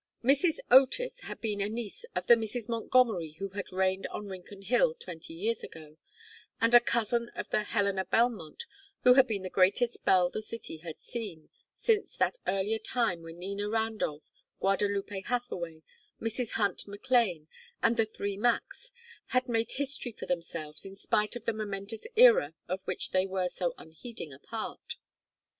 Mrs. Otis had been a niece of the Mrs. Montgomery who had reigned on Rincon Hill twenty years ago, and a cousin of the Helena Belmont who had been the greatest belle the city had seen since that earlier time when Nina Randolph, Guadalupe Hathaway, Mrs. Hunt McLane, and "The Three Macs" had made history for themselves in spite of the momentous era of which they were so unheeding a part.